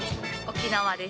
・沖縄です。